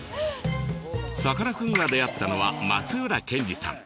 さかなクンが出会ったのは松浦憲二さん。